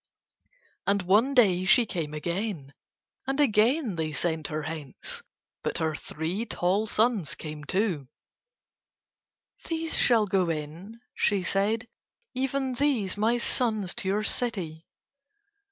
And one day she came again, and again they sent her hence. But her three tall sons came too. "These shall go in," she said. "Even these my sons to your city."